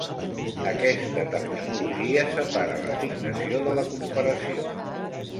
Aquesta terminologia separa l'assignació de la comparació.